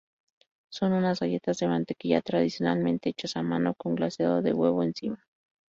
Son unas galletas de mantequilla, tradicionalmente hechas a mano, con glaseado de huevo encima.